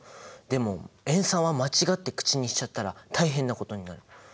でも塩酸は間違って口にしちゃったら大変なことになる。